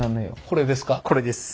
これです。